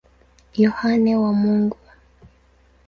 Yohane wa Mungu.